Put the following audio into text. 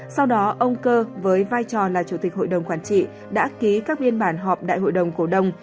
sau đó ông cơ với vai trò là chủ tịch hội đồng quản trị đã ký các biên bản họp đại hội đồng cổ đông